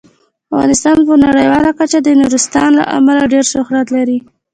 افغانستان په نړیواله کچه د نورستان له امله ډیر شهرت لري.